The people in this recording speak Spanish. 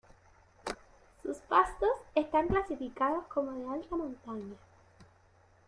Sus pastos están clasificados como de "Alta montaña".